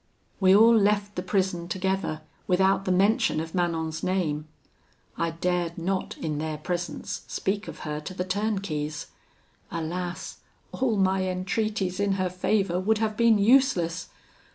"We all left the prison together, without the mention of Manon's name. I dared not in their presence speak of her to the turnkeys. Alas! all my entreaties in her favour would have been useless.